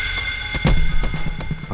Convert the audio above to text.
kalo omongan kamu itu benar